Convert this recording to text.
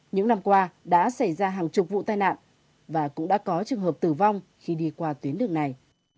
những năm qua đã xảy ra hàng chục vụ tai nạn và cũng đã có trường hợp tử vong khi đi qua tuyến đường này